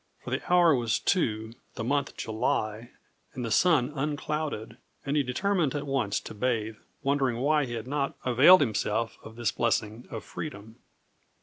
For the hour was two, the month July, and the sun unclouded, and he determined at once to bathe, wondering why he had not availed himself of this blessing of freedom.